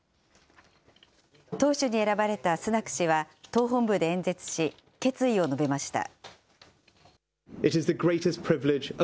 党首に選ばれたスナク氏は、党本部で演説し、決意を述べました。